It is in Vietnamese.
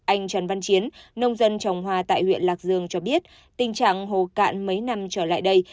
anh trần văn chiến nông dân trồng hoa tại huyện lạc dương cho biết tình trạng hồ cạn mấy năm trở lại đây